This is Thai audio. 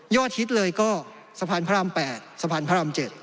ฮิตเลยก็สะพานพระราม๘สะพานพระราม๗